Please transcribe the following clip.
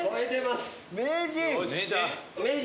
名人！